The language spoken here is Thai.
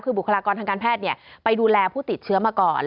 คือบุคลากรทางการแพทย์ไปดูแลผู้ติดเชื้อมาก่อน